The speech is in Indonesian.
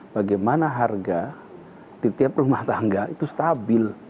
bagaimana harga di tiap rumah tangga itu stabil